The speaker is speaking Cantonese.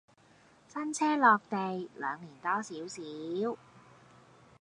新車落地兩年多少少